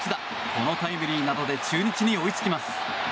このタイムリーなどで中日に追いつきます。